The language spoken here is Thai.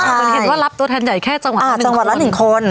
เป็นเหตุว่ารับตัวแทนใหญ่แค่จังหวัดละ๑คน